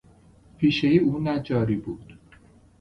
پیشهی او نجاری بود.